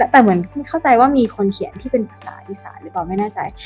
แต่เหมือนเข้าใจว่ามีคนเขียนที่เป็นภาษาอีสานหรือเปล่าไม่แน่ใจ